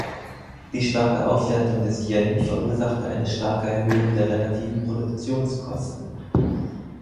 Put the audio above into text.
Die starke Aufwertung des Yen verursachte eine starke Erhöhung der relativen Produktionskosten.